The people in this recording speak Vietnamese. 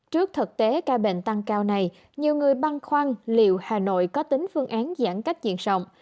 trước thực tế ca bệnh tăng cao này nhiều người băn khoăn liệu hà nội có tính phương án giãn cách diện rộng